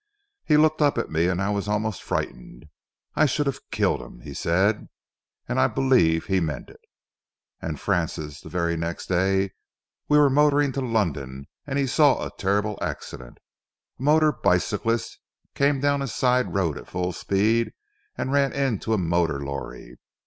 He looked up at me and I was almost frightened. 'I should have killed him,' he said, and I believe he meant it. And, Francis, the very next day we were motoring to London and saw a terrible accident. A motor bicyclist came down a side road at full speed and ran into a motor lorry.